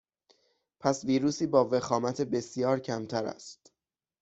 پس ویروسی با وخامت بسیار کمتر است